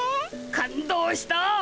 感動した。